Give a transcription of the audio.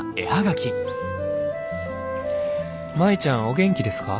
お元気ですか？」。